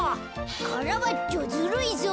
カラバッチョずるいぞ。